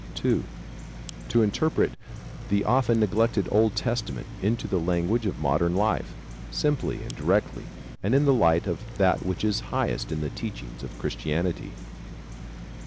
(2) To interpret the often neglected Old Testament into the language of modern life simply and directly and in the light of that which is highest in the teachings of Christianity.